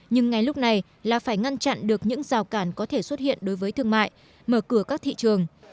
nhưng ngay lúc này là phải ngăn chặn được những rào cản có thể xuất hiện đối với thương mại mở cửa các thị trường